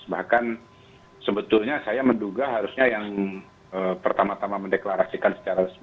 bahkan sebetulnya saya menduga harusnya yang pertama tama mendeklarasikan secara resmi